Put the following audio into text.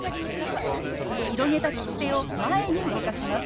広げた利き手を前に動かします。